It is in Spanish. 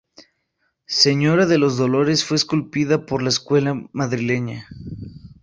Señora de los dolores fue esculpida por la escuela madrileña.